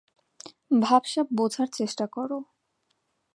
ভাবসাব বোঝার চেষ্টা করো।